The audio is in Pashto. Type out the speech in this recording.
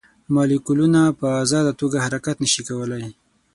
مالیکولونه په ازاده توګه حرکت نه شي کولی.